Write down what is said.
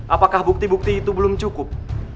apakah bukti bukti itu belum cukup